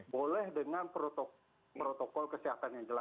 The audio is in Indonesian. boleh dengan protokol kesehatan yang jelas